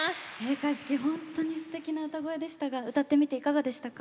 開会式、本当にすてきな歌声でしたが歌ってみていかがでしたか？